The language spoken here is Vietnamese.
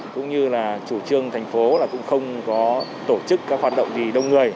cũng như là chủ trương thành phố là cũng không có tổ chức các hoạt động gì đông người